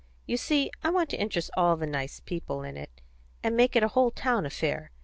You see, I want to interest all the nice people in it, and make it a whole town affair.